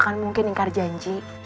gak akan mungkin ingkar janji